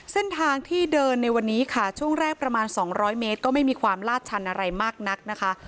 เส้นทางที่เดินในวันนี้ค่ะช่วงแรกประมาณ๒๐๐เมตรก็ไม่มีความลาดชันอะไรมากนักนะคะ